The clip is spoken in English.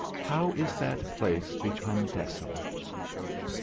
how is that place become desolate!